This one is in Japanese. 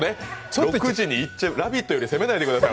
「ラヴィット！」より攻めないでください。